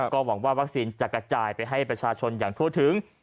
ก็หวังว่าวัคซีนจะกระจายไปให้ประชาชนอย่างทั่วถึง